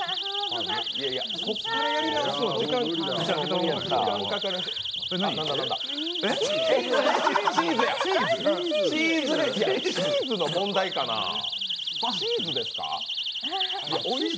そっからやり直すのは時間かかるやつ。